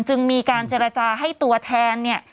จึงมีการเจรจาให้ตัวแทน